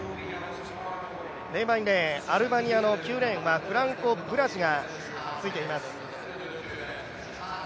レーンバイレーン、アルバニアの９レーンはフランコ・ブラジがついています。